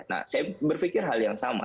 nah saya berpikir hal yang sama